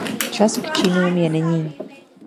Čas k činům je nyní.